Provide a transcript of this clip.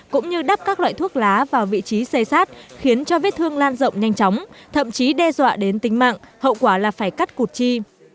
cũng như đắp các loại thuốc lá vào vị trí xây sát khiến cho vết thương lan rộng nhanh chóng thậm chí đe dọa đến tính mạng hậu quả là phải cắt cụt chi